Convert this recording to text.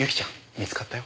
見つかったよ。